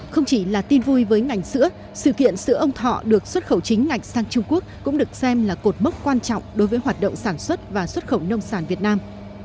không chỉ là tin vui với ngành sữa sự kiện sữa ông thọ được xuất khẩu chính ngạch sang trung quốc cũng được xem là cột mốc quan trọng đối với hoạt động sản xuất và xuất khẩu nông sản việt nam